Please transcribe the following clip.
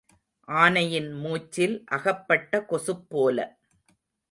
ஆனையின் மூச்சில் அகப்பட்ட கொசுப் போல.